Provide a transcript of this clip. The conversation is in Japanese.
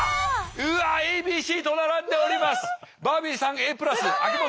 うわＡＢＣと並んでおります。